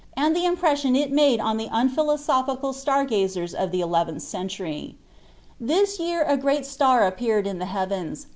m, and the impression it made on the un philosophical star gazers III Uic elifventli cr^ntury. ^ Tliis year a great star appeared in the bet '"111.